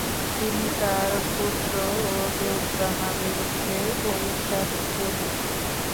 তিনি তার পুত্র ও দুরদানা বেগমকে ওড়িশা পাঠিয়ে দেন।